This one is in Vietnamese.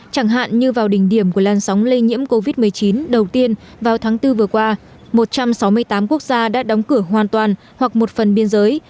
chẳng hạn như vào đỉnh điểm của lan sóng lây nhiễm covid một mươi chín đầu tiên vào tháng bốn vừa qua một trăm sáu mươi tám quốc gia đã đóng cửa hoàn toàn hoặc một phần biên giới